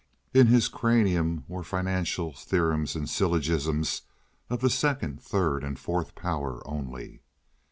In his cranium were financial theorems and syllogisms of the second, third, and fourth power only.